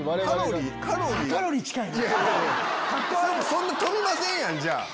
そんな飛びませんやんじゃあ！